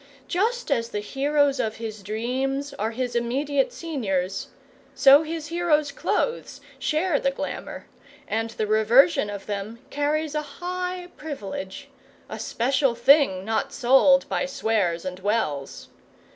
Just as the heroes of his dreams are his immediate seniors, so his heroes' clothes share the glamour, and the reversion of them carries a high privilege a special thing not sold by Swears and Wells.